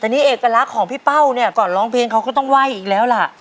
แต่นี่เอกลักษณ์ของพี่เป้าเนี่ยก่อนร้องเพลงเขาก็ต้องไหว้อีกแล้วล่ะ